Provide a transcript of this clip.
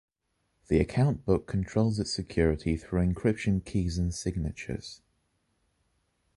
The account book controls its security through encryption keys and signatures.